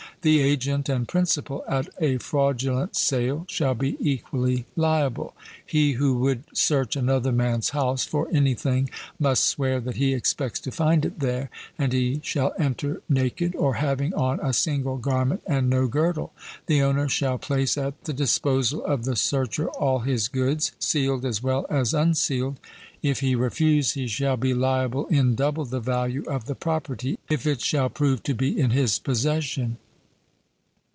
The agent and principal at a fraudulent sale shall be equally liable. He who would search another man's house for anything must swear that he expects to find it there; and he shall enter naked, or having on a single garment and no girdle. The owner shall place at the disposal of the searcher all his goods, sealed as well as unsealed; if he refuse, he shall be liable in double the value of the property, if it shall prove to be in his possession.